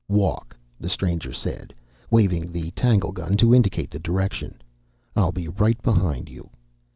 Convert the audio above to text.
"Walk," the stranger said, waving the tanglegun to indicate the direction. "I'll be right behind you."